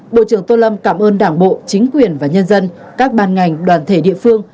bộ trưởng tô lâm cảm ơn đảng bộ chính quyền và nhân dân các ban ngành đoàn thể địa phương